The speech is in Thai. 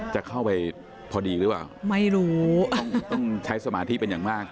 จะเข้าไปพอดีหรือเปล่าไม่รู้ต้องใช้สมาธิเป็นอย่างมาก